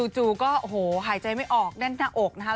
จู่ก็โอ้โหหายใจไม่ออกแน่นหน้าอกนะครับ